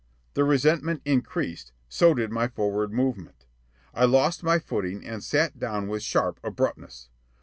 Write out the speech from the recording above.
The resentment increased, so did my forward movement. I lost my footing and sat down with sharp abruptness.